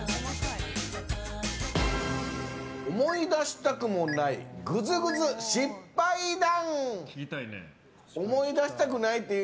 思い出したくもないグズグズ失敗談。